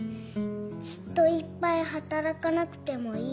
きっといっぱい働かなくてもいい。